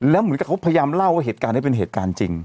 แล้วเหมือนกับเขาพยายามเล่าว่าเหตุการณ์นี้เป็นเหตุการณ์จริง